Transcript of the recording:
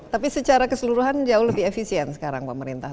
tapi secara keseluruhan jauh lebih efisien sekarang pak merintah